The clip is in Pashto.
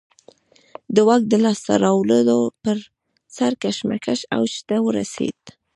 د واک د لاسته راوړلو پر سر کشمکش اوج ته ورسېد.